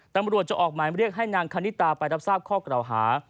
ตำรวจจะออกหมายเรียกให้นางคณิตาไปรับทราบข้อกล่าวหา